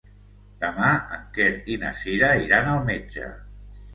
Demà en Quer i na Cira iran al metge.